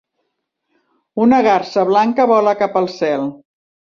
Una garsa blanca vola cap al cel.